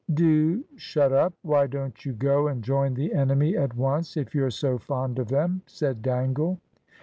"Do shut up. Why don't you go and join the enemy at once, if you're so fond of them?" said Dangle.